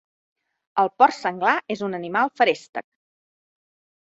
El porc senglar és un animal feréstec.